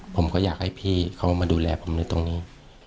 ผมก็อยากให้พี่เขามาดูแลผมในตรงนี้